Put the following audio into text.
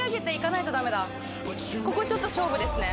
ここちょっと勝負ですね